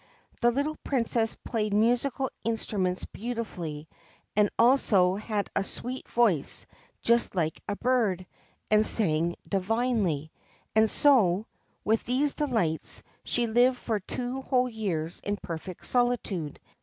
The little Princess played musical instruments beautifully, and also had a sweet voice just like a bird, and sang divinely ; and so, with these delights, she lived for two whole years in perfect solitude.